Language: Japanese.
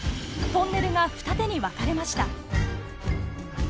トンネルが二手に分かれました。